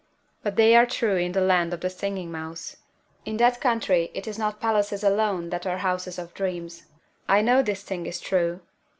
But they are true in the land of the Singing Mouse. In that country it is not palaces alone that are Houses of Dreams. I know this thing is true.